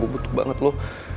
gue butuh banget lo